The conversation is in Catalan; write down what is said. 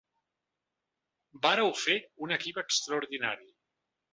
Vàreu fer un equip extraordinari.